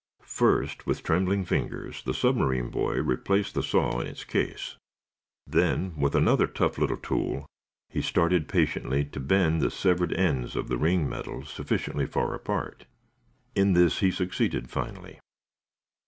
First, with trembling fingers, the submarine boy replaced the saw in its case. Then, with another tough little tool, he started patiently to bend the severed ends of the ring metal sufficiently far apart. In this he succeeded finally.